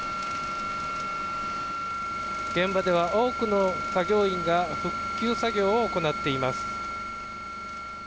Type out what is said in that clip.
現場では多くの作業員が復旧作業を行っています。